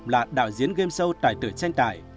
là đạo diễn game show tài tử tranh tài